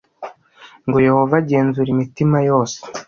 Ngo Yehova agenzura imitima yose